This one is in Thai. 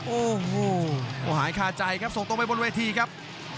โอ้โหหายคาใจครับส่งตรงไปบนเวทีครับ